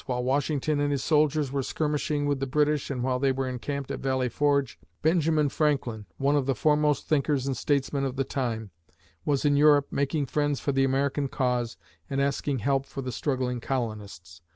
While Washington and his soldiers were skirmishing with the British and while they were encamped at Valley Forge, Benjamin Franklin, one of the foremost thinkers and statesmen of the time, was in Europe making friends for the American cause and asking help for the struggling colonists.